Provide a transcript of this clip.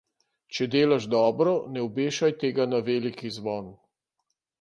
Če delaš dobro, ne obešaj tega na veliki zvon.